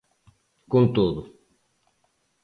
Con todo.